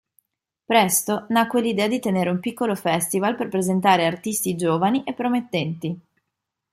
Presto nacque l'idea di tenere un piccolo festival per presentare artisti giovani e promettenti.